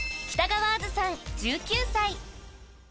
北川安珠さん１９歳］